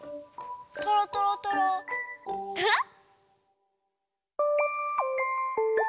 とろとろとろとろっ！